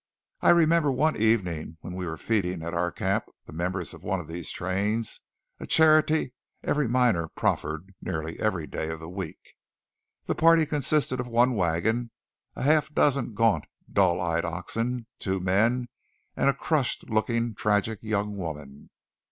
I remember one evening when we were feeding at our camp the members of one of these trains, a charity every miner proffered nearly every day of the week. The party consisted of one wagon, a half dozen gaunt, dull eyed oxen, two men, and a crushed looking, tragic young woman.